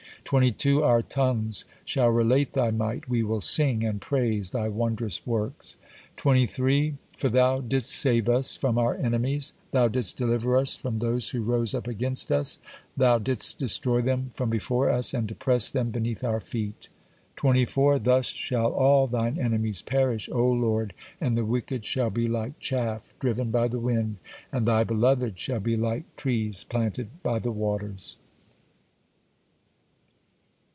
22. Our tongues shall relate Thy might, we will sing and praise Thy wondrous works. 23. For Thou didst save us from our enemies, Thou didst deliver us from those who rose up against us, Thou didst destroy them from before us, and depress them beneath our feet. 24. Thus shall all Thine enemies perish, O Lord, and the wicked shall be like chaff driven by the wind, and Thy beloved shall be like trees planted by the waters.